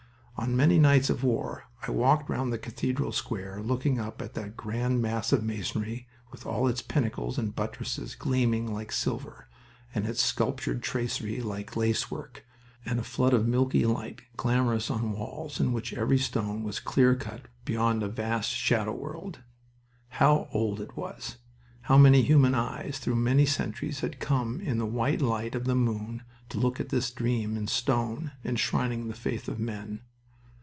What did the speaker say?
On many nights of war I walked round the cathedral square, looking up at that grand mass of masonry with all its pinnacles and buttresses gleaming like silver and its sculptured tracery like lacework, and a flood of milky light glamorous on walls in which every stone was clear cut beyond a vast shadow world. How old it was! How many human eyes through many centuries had come in the white light of the moon to look at this dream in stone enshrining the faith of men!